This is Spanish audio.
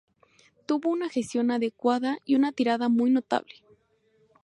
Tuvo una gestión adecuada y una tirada muy notable.